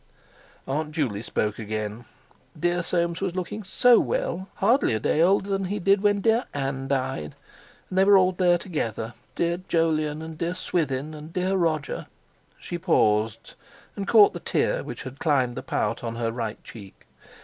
Aunt Juley spoke again. Dear Soames was looking so well, hardly a day older than he did when dear Ann died, and they were all there together, dear Jolyon, and dear Swithin, and dear Roger. She paused and caught the tear which had climbed the pout on her right cheek.